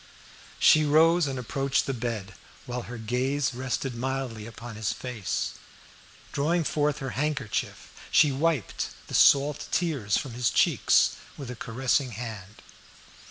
She rose and approached the bed, while her gaze rested mildly upon his face. Drawing forth her handkerchief, she wiped the salt tears from his cheeks with a caressing hand.